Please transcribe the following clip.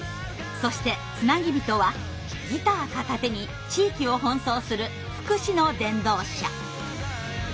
そして「つなぎびと」はギター片手に地域を奔走する福祉の伝道者。